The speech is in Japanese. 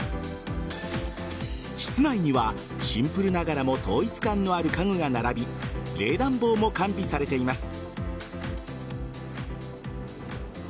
室内にはシンプルながらも統一感のある家具が並び冷暖房も完備されています。